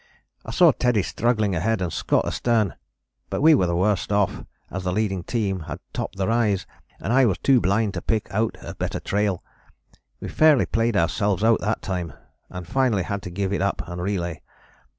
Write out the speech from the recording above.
"I saw Teddy struggling ahead and Scott astern, but we were the worst off as the leading team had topped the rise and I was too blind to pick out a better trail. We fairly played ourselves out that time, and finally had to give it up and relay.